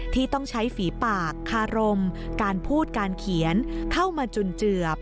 ที่ต้องใช้ฝีปากคารมการพูดการเขียนเข้ามาจุนเจือบ